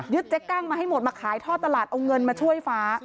เจ๊กั้งมาให้หมดมาขายท่อตลาดเอาเงินมาช่วยฟ้า